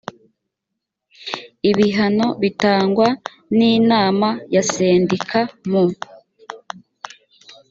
ibihano bitangwa n inama ya sendika mu